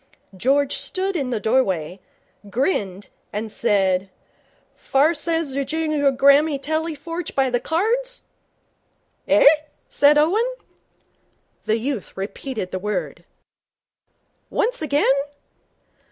George stood in the doorway, grinned, and said: 'Farsezjerligranmatellyerforchbythecards?' 'Eh?' said Owen. The youth repeated the word. 'Once again.'